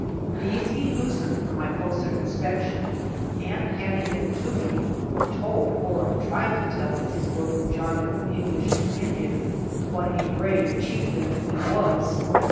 These he loos ened for my closer inspection and handing them to me, told or tried to tell in his broken jargon of English and Indian what a brave chieftain he was.